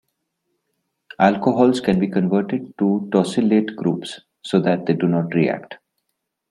Alcohols can be converted to tosylate groups so that they do not react.